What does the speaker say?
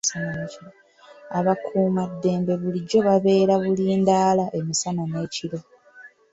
Abakuumaddembe bulijjo babeera bulindaala emisana n'ekiro.